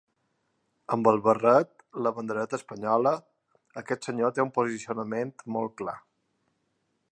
Amb el barret, la bandereta espanyola… Aquest senyor té un posicionament molt clar.